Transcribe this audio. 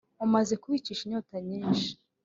umaze kubicisha inyota nyinshi